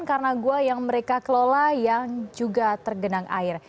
karena gua yang mereka kelola yang juga tergenang air